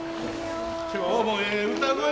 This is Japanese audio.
今日もええ歌声やなあ。